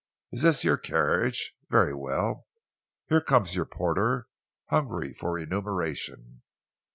Is this your carriage? Very well. Here comes your porter, hungry for remuneration.